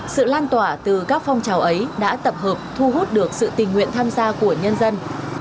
sự lan tỏa từ các phong trào ấy đã tập hợp thu hút được sự tình nguyện tham gia của nhân dân